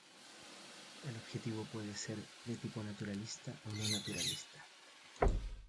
El objetivismo puede ser de tipo naturalista o no naturalista.